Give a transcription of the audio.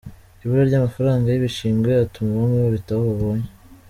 Ibura ry’amafaranga y’ibishingwe atuma bamwe babita aho babonye